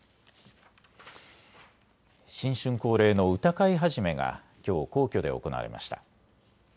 新春恒例の歌会始がきょう、皇居で行われました。